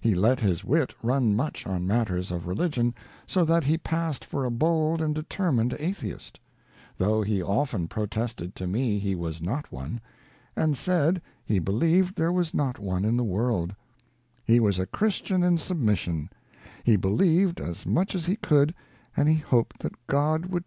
He let his wit run much on matters of religion, so that he passed for a bold and determined atheist ; though he often protested to me he was not one ; and said, he believed there was not one in the world : he was a Christian in submission : he believed as much as he could and he hoped that God would not xxvi INTRODUCTION.